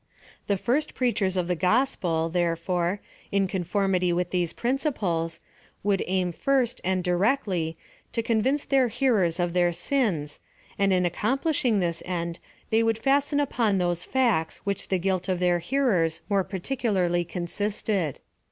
The first preachers of the gospel, therefore, in con formity with these principles, would aim first, and directly, to convince their hearers of their sins, and in accomplishing this end they would fasten upon those facts in which the guilt of their hearers more particularly consisted.